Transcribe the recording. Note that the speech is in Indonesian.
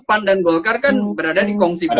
pan dan golkar kan berada di kongsi belinda